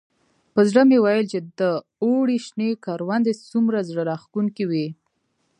په زړه مې ویل چې د اوړي شنې کروندې څومره زړه راښکونکي وي.